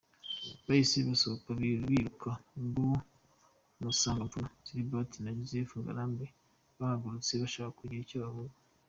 Bahise basohoka biruka ubwo Musangamfura Sixbert na Joseph Ngarambe bahagurutse bashaka kugira icyo bavuga.